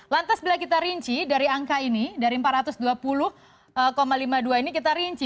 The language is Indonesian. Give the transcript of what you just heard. lantas bila kita rinci dari angka ini dari empat ratus dua puluh lima puluh dua ini kita rinci